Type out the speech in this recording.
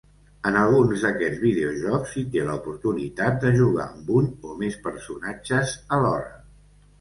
En alguns d'aquests videojocs s'hi té l'oportunitat de jugar amb un o més personatges alhora.